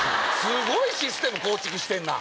すごいシステム構築してんな！